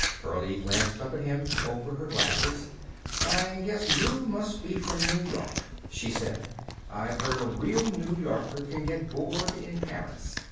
Pearlie glanced up at him, over her glasses. "I guess you must be from New York," she said. "I've heard a real New Yorker can get bored in Paris.